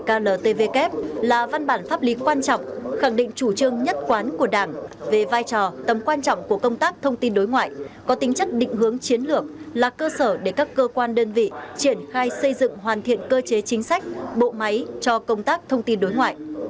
kltvk là văn bản pháp lý quan trọng khẳng định chủ trương nhất quán của đảng về vai trò tầm quan trọng của công tác thông tin đối ngoại có tính chất định hướng chiến lược là cơ sở để các cơ quan đơn vị triển khai xây dựng hoàn thiện cơ chế chính sách bộ máy cho công tác thông tin đối ngoại